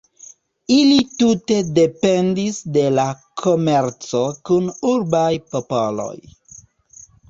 Ili tute dependis de la komerco kun urbaj popoloj.